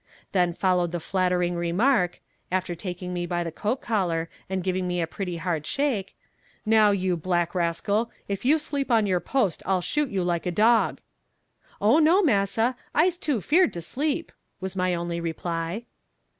Then followed the flattering remark, after taking me by the coat collar and giving me a pretty hard shake, "Now, you black rascal, if you sleep on your post I'll shoot you like a dog." "Oh no, Massa, I'se too feerd to sleep," was my only reply.